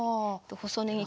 細ねぎ